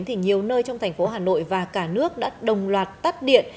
thì nhiều nơi trong thành phố hà nội và cả nước đã đồng loạt tắt điện